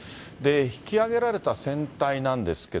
引き揚げられた船体なんです